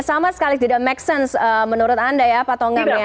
sama sekali tidak make sense menurut anda ya pak tongam ya